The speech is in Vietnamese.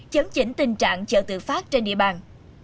chấn chỉnh tình trạng chợ tự phát trên địa bàn